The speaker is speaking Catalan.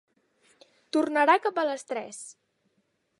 Tornarà cap a les tres.